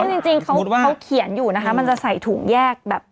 จริงเขาเขียนอยู่นะคะมันจะใส่ถุงแยกแบบ